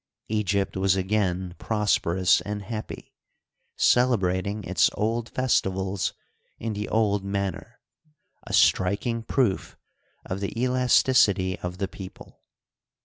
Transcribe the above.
Egypt was again prosperous and happy, celebrating its old festi vals in the old manner — a striking proof of the elasticity of the people.